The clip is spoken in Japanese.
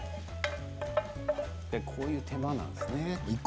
こういう手間なんですね。